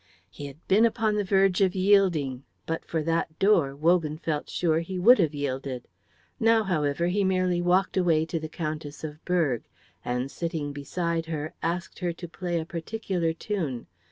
He had been upon the verge of yielding; but for that door Wogan felt sure he would have yielded. Now, however, he merely walked away to the Countess of Berg, and sitting beside her asked her to play a particular tune.